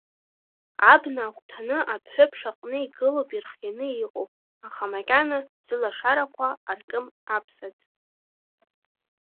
Абна агәҭаны адәҳәыԥш аҟны игылоуп ирхианы иҟоу, аха макьана зылашарақәа аркым аԥсаӡ.